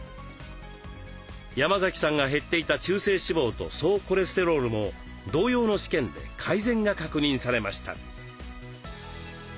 山崎さんが減っていた中性脂肪と総コレステロールも同様の試験で改善が確認されました。